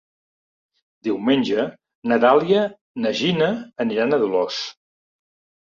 Diumenge na Dàlia i na Gina aniran a Dolors.